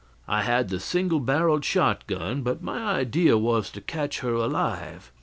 I had the single barrelled shotgun, but my idea was to catch her alive.